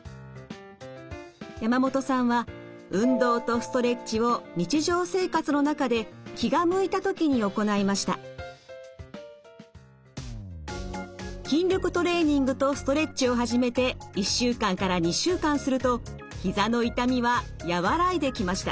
山本さんは運動とストレッチを日常生活の中で筋力トレーニングとストレッチを始めて１週間から２週間するとひざの痛みは和らいできました。